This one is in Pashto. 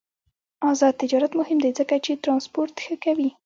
آزاد تجارت مهم دی ځکه چې ترانسپورت ښه کوي.